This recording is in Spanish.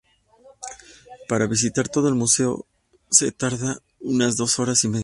Para visitar todo el museo se tarda unas dos horas y media.